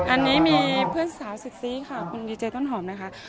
อันนี้มีเพื่อนสาวเซ็กซี่ค่ะคุณดีเจต้นหอมนะคะ